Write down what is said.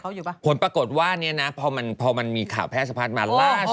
ตอนนี้ผลปรากฏว่าเนี่ยนะพอมันมีข่าวแพทย์สะพานมา